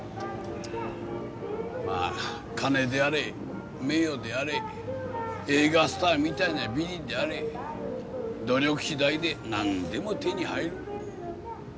まあ金であれ名誉であれ映画スターみたいな美人であれ努力次第で何でも手に入る。